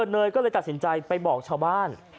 เนยก็เลยตัดสินใจไปบอกชาวบ้าน